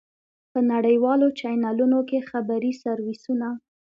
په نړیوالو چېنلونو کې خبري سرویسونه.